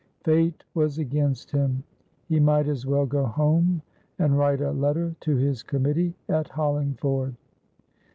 Fate was against him. He might as well go home and write a letter to his committee at Hollingford.